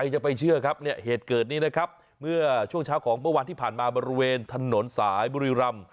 จะไปเชื่อครับเนี่ยเหตุเกิดนี้นะครับเมื่อช่วงเช้าของเมื่อวานที่ผ่านมาบริเวณถนนสายบุรีรำ